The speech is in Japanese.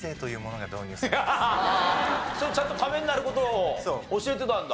ちゃんとためになる事を教えてたんだ。